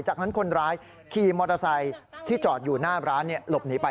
จากนั้นคนร้ายขี่มอเตอร์ไซค์ที่จอดอยู่หน้าร้านหลบหนีไป